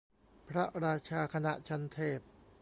พระราชาคณะชั้นเทพ